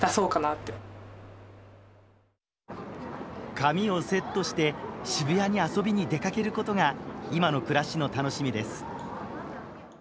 髪をセットして渋谷に遊びに出かけることが今の暮らしの楽しみです。